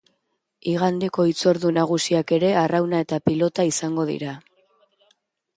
Igandeko hitzordu nagusiak ere arrauna eta pilota izango dira.